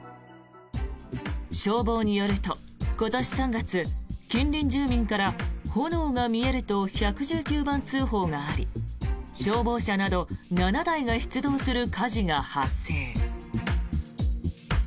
消防によると今年３月近隣住民から炎が見えると１１９番通報があり消防車など７台が出動する火事が発生。